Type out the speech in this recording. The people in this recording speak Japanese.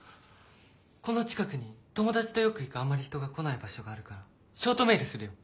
この近くに友達とよく行くあんまり人が来ない場所があるからショートメールするよ。